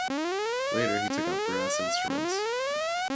Later he took up brass instruments.